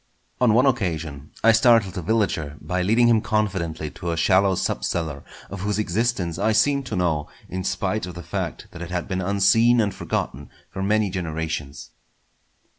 On one occasion I startled a villager by leading him confidently to a shallow sub cellar, of whose existence I seemed to know in spite of the fact that it had been unseen and forgotten for many generations.